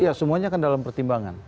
iya semuanya kan dalam pertimbangan